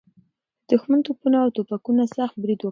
د دښمن توپونه او توپکونه سخت برید وکړ.